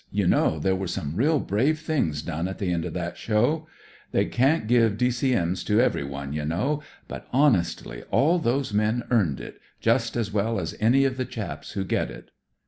You know there were some real brave things done at the end of that show. They can't give D.C.M.'s to everyone, you know ; but, honestly, all those men earned it, just as well as any of the chaps who get it."